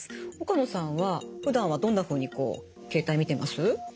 岡野さんはふだんはどんなふうにこう携帯見てます？